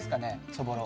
そぼろ。